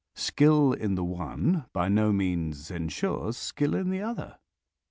Skill in the one by no means ensures skill in the other.